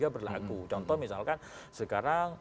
berlaku contoh misalkan sekarang